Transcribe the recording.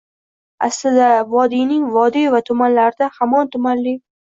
Aslida, vodiyning vodiy va tumanlarida hamon tumanli